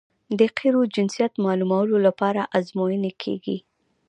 د قیرو جنسیت معلومولو لپاره ازموینې کیږي